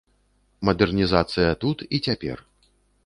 Мадэрнізацыя тут і цяпер.